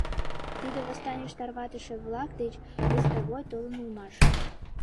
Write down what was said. Тиде восстанийыш тарватыше-влак деч «вестовой» толын улмаш.